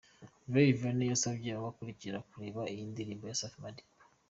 Ray Vanny yasabye abamukurikira kureba iyi ndirimbo ya Safi Madiba.